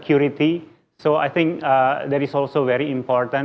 jadi saya pikir itu juga sangat penting